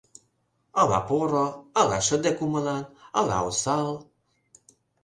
Ала поро, ала шыде кумылан, ала осал?